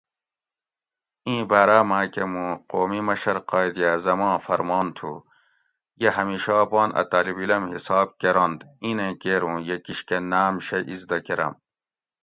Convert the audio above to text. "ایں باراۤ ماۤکہ موں قومی مشر قائیداعظم آں فرمان تُھو ""یہ ھمیشہ اپان ا طالب علم حساب کۤرنت اینیں کیر اوں یہ کِشکہ ناۤم شئی اِزدہ کرم"""